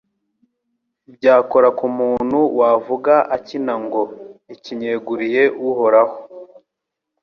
Byakora ku muntu wavuga akina ngo «Iki nkeguriye Uhoraho»